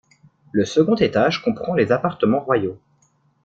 Le second étage comprend les appartements royaux.